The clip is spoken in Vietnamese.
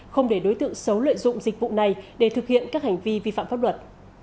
không để đối tượng xấu lợi dụng dịch vụ này để thực hiện các hành vi vi phạm pháp luật